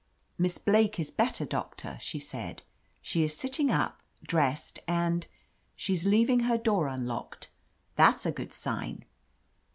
"Miss Blake is better, . Doctor," she said. "She is sitting up, dressed, and — she's leaving her door unlocked. That's a good sign."